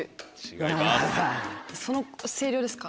違います。